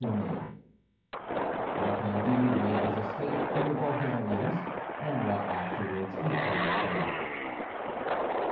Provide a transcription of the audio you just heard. III HOW CANDIDE MADE HIS ESCAPE FROM THE BULGARIANS, AND WHAT AFTERWARDS BECAME OF HIM.